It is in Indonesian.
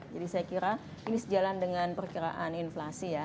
jadi saya kira ini sejalan dengan perkiraan inflasi ya